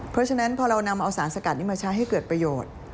เพราะฉะนั้นพอเรานำเอาสารสกัดนี้มาใช้ให้เกิดประโยชน์